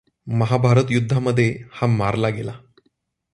महाभारत युद्धामध्ये हा मारला गेला.